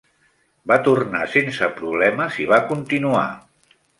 Va tornar sense problemes i va continuar.